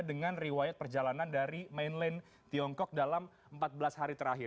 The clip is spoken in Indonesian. dengan riwayat perjalanan dari mainland tiongkok dalam empat belas hari terakhir